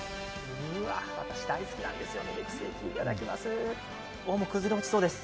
私大好きなんですよ、ミルクセーキいただきます。